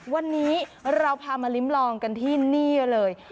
วันนี้เราพามาลิ้มลองกันที่นี่เลย